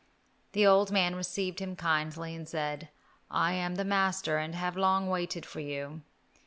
The old man received him kindly, and said, "I am the master and have long waited for you."